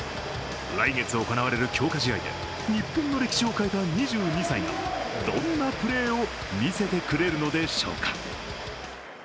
来月行われる強化試合で日本の歴史を変えた２２歳がどんなプレーを見せてくれるのでしょうか。